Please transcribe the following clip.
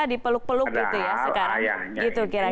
dipeluk peluk gitu ya sekarang